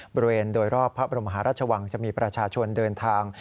บริเวณโดยรอบพระบรมหาราชวังจะมีประชาชนเดินทาง